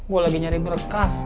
gua lagi nyari berkas